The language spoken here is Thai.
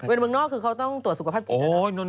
เวลาบังนอกเขาต้องตรวจสุขภาพจิต